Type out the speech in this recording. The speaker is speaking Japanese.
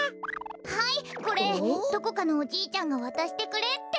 はいこれどこかのおじいちゃんがわたしてくれって。